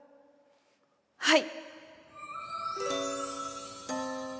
はい！